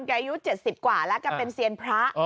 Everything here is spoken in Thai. อายุ๗๐กว่าแล้วแกเป็นเซียนพระ